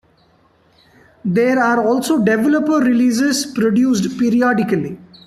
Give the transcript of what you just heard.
There are also developer releases produced periodically.